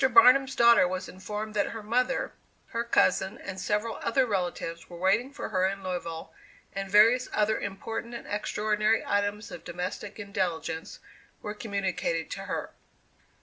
Barnum's daughter was informed that her mother, her cousin, and several other relatives were waiting for her in Louisville, and various other important and extraordinary items of domestic intelligence were communicated to her.